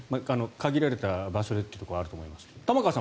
限られた場所でというのはあると思いますが。